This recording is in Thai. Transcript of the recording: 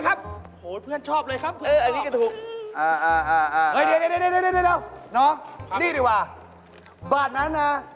เก็บอะไร